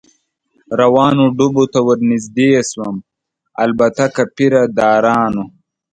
روانو ډبو ته ور نږدې شوم، البته که پیره دارانو.